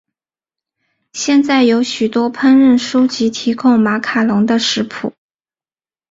现在有许多烹饪书籍提供马卡龙的食谱。